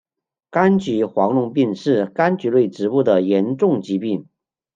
柑橘黄龙病是柑橘类植物的严重疾病。